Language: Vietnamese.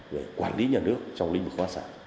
để quản lý nhà nước trong linh vực hoa sản